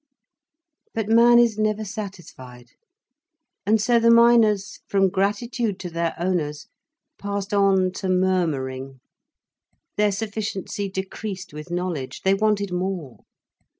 But man is never satisfied, and so the miners, from gratitude to their owners, passed on to murmuring. Their sufficiency decreased with knowledge, they wanted more.